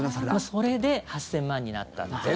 それで８０００万になったと。